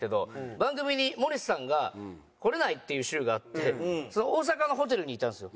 番組に森田さんが来れないっていう週があって大阪のホテルにいたんですよ